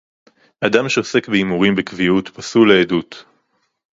אדם שעוסק בהימורים בקביעות פסול לעדות